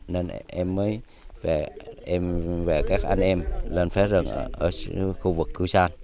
nên em mới về các anh em lên phá rừng ở khu vực cửu san